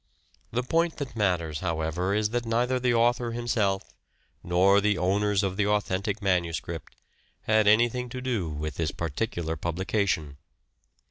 The point that matters, however, is that neither the author himself, nor the owners of the authentic manuscript, had anything to do with this particular publication.